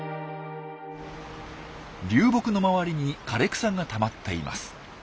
流木の周りに枯れ草がたまっています。